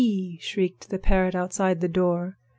_" shrieked the parrot outside the door.